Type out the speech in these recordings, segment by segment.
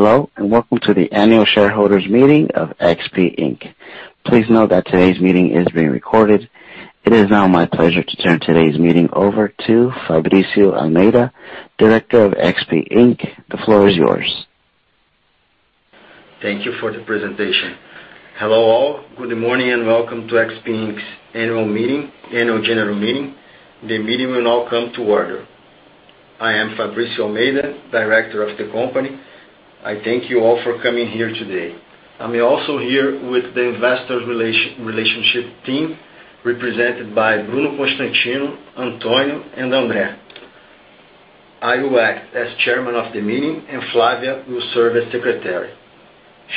Hello, welcome to the annual shareholders meeting of XP Inc. Please note that today's meeting is being recorded. It is now my pleasure to turn today's meeting over to Fabricio Cunha de Almeida, Director of XP Inc. The floor is yours. Thank you for the presentation. Hello, all. Good morning and welcome to XP Inc.'s Annual General Meeting. The meeting will now come to order. I am Fabricio Cunha de Almeida, Director of the company. I thank you all for coming here today. I'm also here with the Investor Relations Team represented by Bruno Constantino, Antonio, and Andre. I will act as Chairman of the meeting, and Flavia will serve as Secretary.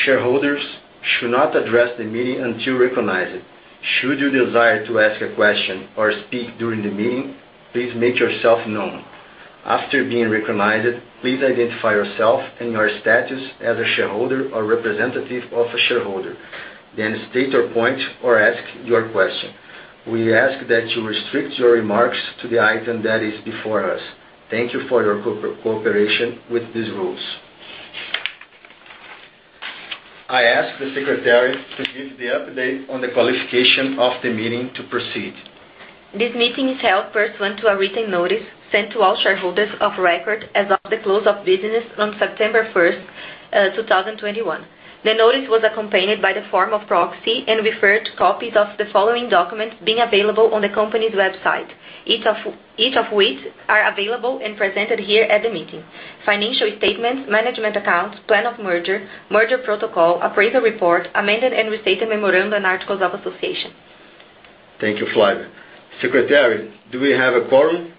Shareholders should not address the meeting until recognized. Should you desire to ask a question or speak during the meeting, please make yourself known. After being recognized, please identify yourself and your status as a shareholder or representative of a shareholder, then state your point or ask your question. We ask that you restrict your remarks to the item that is before us. Thank you for your cooperation with these rules. I ask the secretary to give the update on the qualification of the meeting to proceed. This meeting is held pursuant to a written notice sent to all shareholders of record as of the close of business on September 1st, 2021. The notice was accompanied by the form of proxy and referred copies of the following documents being available on the company's website, each of which are available and presented here at the meeting. Financial statements, management accounts, plan of merger protocol, appraisal report, amended and restated memorandum and articles of association. Thank you, Flavia. Secretary, do we have a quorum?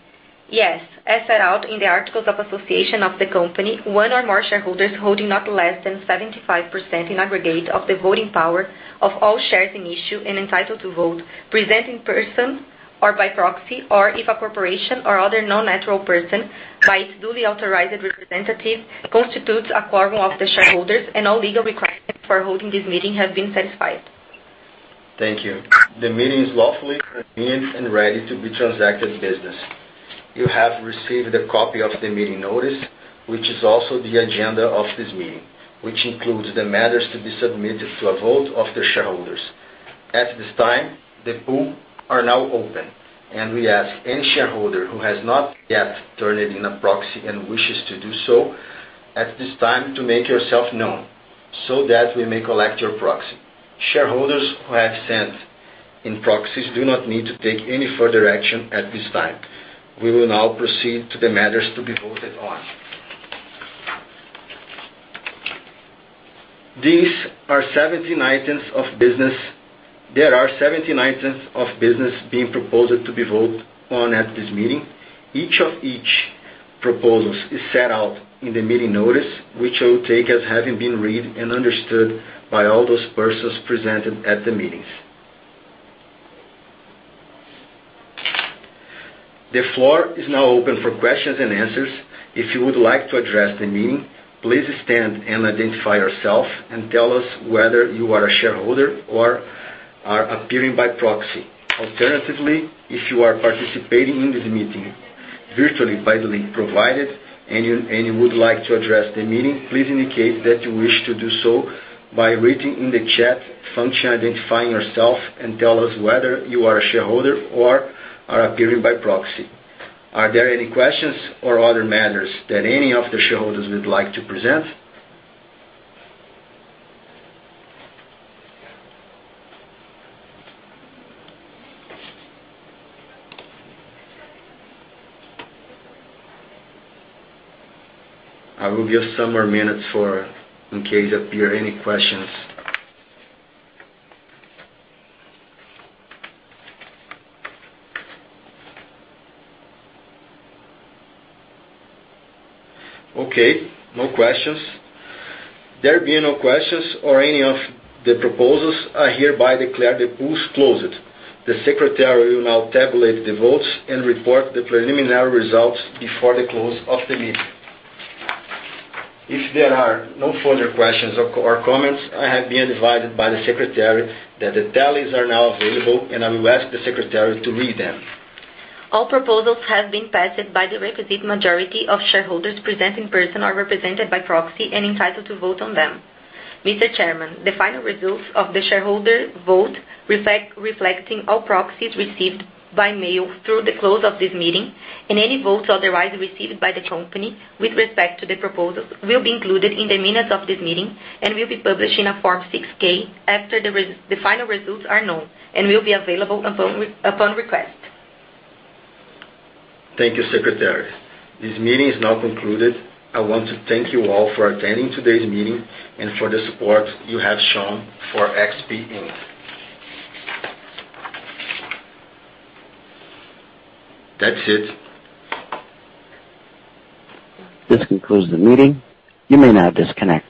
Yes. As set out in the articles of association of the company, one or more shareholders holding not less than 75% in aggregate of the voting power of all shares in issue and entitled to vote, present in person or by proxy, or if a corporation or other non-natural person by its duly authorized representative, constitutes a quorum of the shareholders and all legal requirements for holding this meeting have been satisfied. Thank you. The meeting is lawfully convened and ready to be transacted business. You have received a copy of the meeting notice, which is also the agenda of this meeting, which includes the matters to be submitted to a vote of the shareholders. At this time, the poll are now open, and we ask any shareholder who has not yet turned in a proxy and wishes to do so at this time to make yourself known so that we may collect your proxy. Shareholders who have sent in proxies do not need to take any further action at this time. We will now proceed to the matters to be voted on. There are 17 items of business being proposed to be voted on at this meeting. Each of the proposals is set out in the meeting notice, which I will take as having been read and understood by all those persons present at the meeting. The floor is now open for questions-and-answers. If you would like to address the meeting, please stand and identify yourself and tell us whether you are a shareholder or are appearing by proxy. Alternatively, if you are participating in this meeting virtually by the link provided and you would like to address the meeting, please indicate that you wish to do so by writing in the chat function, identifying yourself, and tell us whether you are a shareholder or are appearing by proxy. Are there any questions or other matters that any of the shareholders would like to present? I will give some more minutes in case any questions appear. Okay, no questions. There being no questions or any of the proposals, I hereby declare the polls closed. The secretary will now tabulate the votes and report the preliminary results before the close of the meeting. If there are no further questions or comments, I have been advised by the secretary that the tallies are now available, and I will ask the secretary to read them. All proposals have been passed by the requisite majority of shareholders present in person or represented by proxy and entitled to vote on them. Mr. Chairman, the final results of the shareholder vote reflecting all proxies received by mail through the close of this meeting and any votes otherwise received by the company with respect to the proposals will be included in the minutes of this meeting and will be published in a Form 6-K after the final results are known and will be available upon request. Thank you, Secretary. This meeting is now concluded. I want to thank you all for attending today's meeting and for the support you have shown for XP Inc. That's it. This concludes the meeting. You may now disconnect.